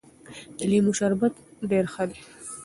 د لیمو شربت ډېر ښه دی.